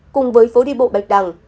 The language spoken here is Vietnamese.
cùng với phố đi bộ bạch đằng